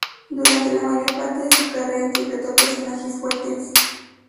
Durante la mayor parte de su carrera interpretó personajes fuertes.